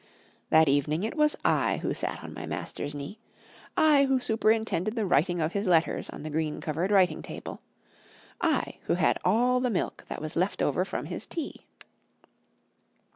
That evening it was I who sat on my master's knee I who superintended the writing of his letters on the green covered writing table I who had all the milk that was left over from his tea.